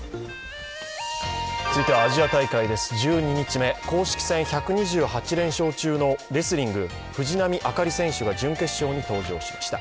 続いてはアジア大会です、１２日目公式戦１２８連勝中のレスリング・藤波朱理選手が準決勝に登場しました。